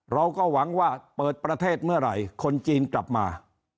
เราก็หวังว่าเปิดประเทศเมื่อไหร่คนจีนกลับมา